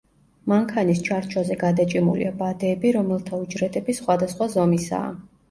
მანქანის ჩარჩოზე გადაჭიმულია ბადეები, რომელთა უჯრედები სხვადასხვა ზომისაა.